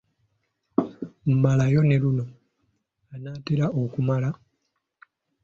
Malayo ne luno: Anaatera okumala, ….